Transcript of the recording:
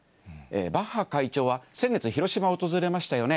バッハ会長は、先月、広島を訪れましたよね。